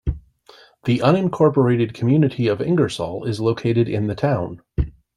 The unincorporated community of Ingersoll is located in the town.